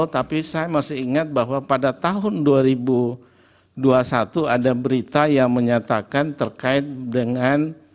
tapi saya masih ingat bahwa pada tahun dua ribu dua puluh satu ada berita yang menyatakan terkait dengan